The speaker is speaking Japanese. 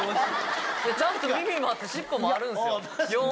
ちゃんと耳もあって、尻尾もあるんですよ。